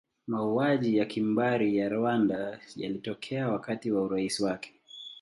Mauaji ya kimbari ya Rwanda yalitokea wakati wa urais wake.